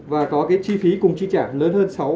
và có cái chi phí cùng chi trả lớn hơn sáu